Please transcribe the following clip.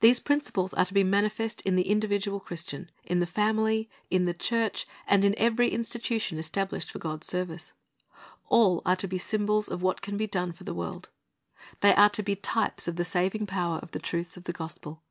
These principles are to be manifest in the individual Christian, in the family, in the church, and in eveiy institution established for God's service. All are to be symbols of Til c Lor d 's Vi n c y a r d 297 what can be done for the world. They are to be types of the saving power of the truths of the gospel.